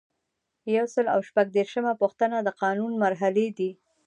یو سل او شپږ دیرشمه پوښتنه د قانون مرحلې دي.